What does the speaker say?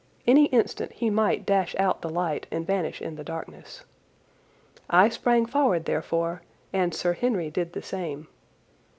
Any instant he might dash out the light and vanish in the darkness. I sprang forward therefore, and Sir Henry did the same.